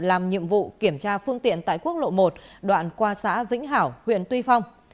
làm nhiệm vụ kiểm tra phương tiện tại quốc lộ một đoạn qua xã vĩnh hảo huyện tuy phong